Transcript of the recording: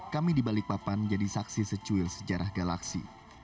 kami di balikpapan jadi saksi secuil sejarah galaksi